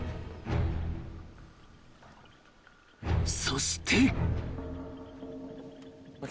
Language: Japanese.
［そして］